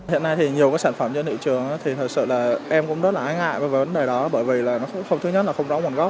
hiện nay thì nhiều cái sản phẩm trên thị trường thì thật sự là em cũng rất là ái ngại về vấn đề đó bởi vì thứ nhất là không rõ nguồn gốc